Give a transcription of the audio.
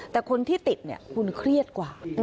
แต่คนที่ติดคุณเครียดกว่า